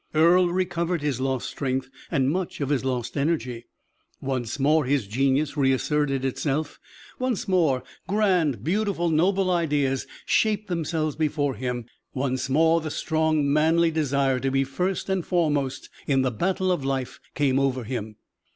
Earle recovered his lost strength and much of his lost energy; once more his genius reasserted itself; once more grand, beautiful, noble ideas shaped themselves before him; once more the strong manly desire to be first and foremost in the battle of life came over him.